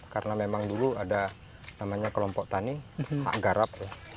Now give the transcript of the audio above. karena memang dulu ada kelompok tani hak garap